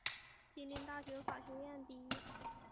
吉林大学法学院毕业。